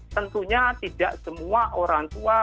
tentunya tidak semua orang tua